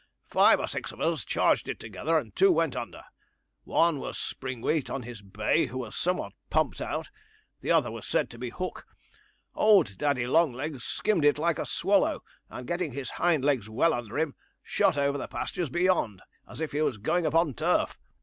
Five or six of us charged it together, and two went under. One was Springwheat on his bay, who was somewhat pumped out; the other was said to be Hook. Old Daddy Longlegs skimmed it like a swallow, and, getting his hind legs well under him, shot over the pastures beyond, as if he was going upon turf.